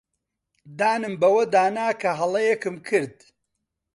دانم بەوەدا نا کە هەڵەیەکم کرد.